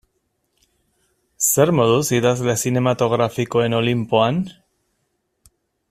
Zer moduz idazle zinematografikoen olinpoan?